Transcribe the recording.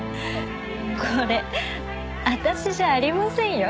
これ私じゃありませんよ。